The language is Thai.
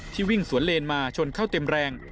วิ่งสวนเลนมาชนเข้าเต็มแรง